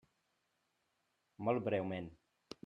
Molt breument.